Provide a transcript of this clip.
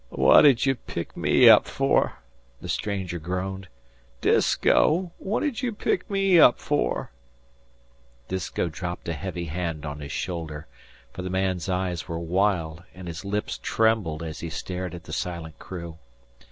"What did you pick me up for?" the stranger groaned. "Disko, what did you pick me up for?" Disko dropped a heavy hand on his shoulder, for the man's eyes were wild and his lips trembled as he stared at the silent crew.